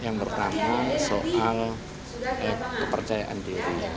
yang pertama soal kepercayaan diri